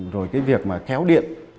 rồi cái việc mà kéo điện